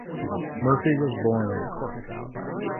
Murphy was born in Cork.